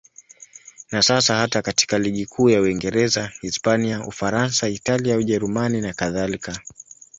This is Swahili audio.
Na sasa hata katika ligi kuu za Uingereza, Hispania, Ufaransa, Italia, Ujerumani nakadhalika.